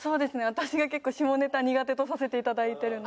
私が結構下ネタ苦手とさせて頂いてるので。